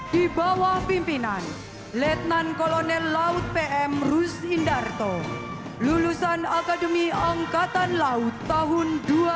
di bawah pimpinan letnan kolonel laut pm rus indarto lulusan akademi angkatan laut tahun dua ribu dua